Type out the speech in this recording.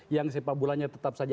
yang sepak bolanya tetap saja